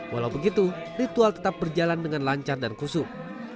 walau begitu ritual tetap berjalan dengan lancar dan kusuk